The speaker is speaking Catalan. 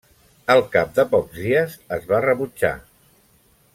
Al cap de pocs dies, es va rebutjar.